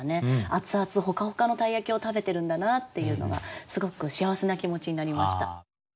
アツアツホカホカの鯛焼を食べてるんだなっていうのがすごく幸せな気持ちになりました。